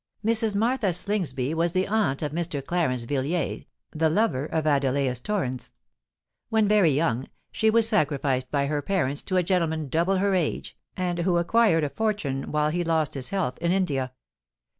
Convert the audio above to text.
Mrs. Martha Slingsby was the aunt of Mr. Clarence Villiers, the lover of Adelais Torrens. When very young, she was sacrificed by her parents to a gentleman double her age, and who had acquired a fortune while he lost his health in India.